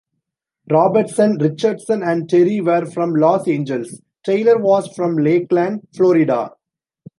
Robertson, Richardson and Terry were from Los Angeles; Taylor was from Lakeland, Florida.